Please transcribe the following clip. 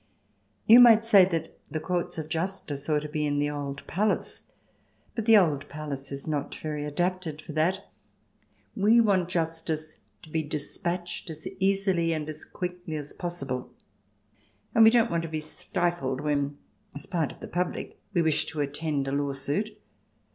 You might say that the courts of justice ought to be in the old palace. But the old palace is not very adapted for that. We want justice to be despatched as easily and as quickly as possible, and we don't want to be stifled when, as part of the public, we wish to attend a lawsuit.